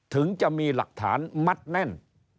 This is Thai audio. ถึงจะมีหลักฐานมัดแน่น